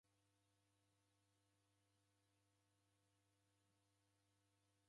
W'andu w'ikughesha kwa jiao kukaenda?